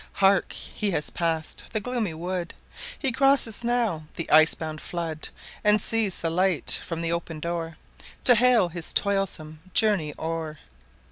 Hark! he has pass'd the gloomy wood; He crosses now the ice bound flood, And sees the light from the open door, To hail his toilsome journey o'er.